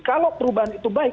kalau perubahan itu baik